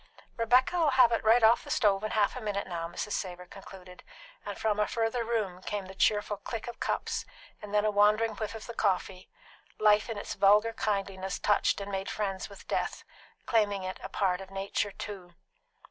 "Rebecca'll have it right off the stove in half a minute now," Mrs. Savor concluded; and from a further room came the cheerful click of cups, and then a wandering whiff of the coffee; life in its vulgar kindliness touched and made friends with death, claiming it a part of nature too.